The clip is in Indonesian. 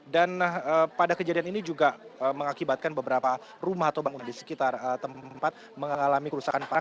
dan pada kejadian ini juga mengakibatkan beberapa rumah atau bangunan di sekitar tempat mengalami kerusakan parah